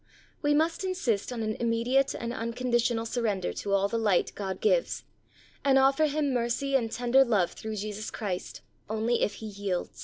We must insist on an immediate and uncondi tional surrender to all the light God gives, and offer him mercy and tender love through Jesus Christ only if he yields.